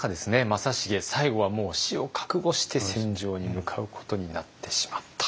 正成最後はもう死を覚悟して戦場に向かうことになってしまった。